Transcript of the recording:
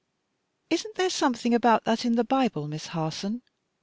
'" "Isn't there something about that in the Bible, Miss Harson?"